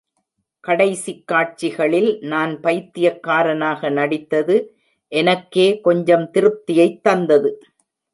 கடைசிக்காட்சிகளில் நான் பைத்தியக்காரனாக நடித்தது, எனக்கே கொஞ்சம் திருப்தியைத் தந்தது.